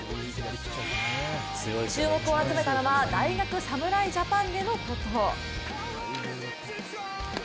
注目を集めたのは大学侍ジャパンでのこと。